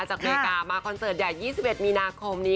อเมริกามาคอนเสิร์ตใหญ่๒๑มีนาคมนี้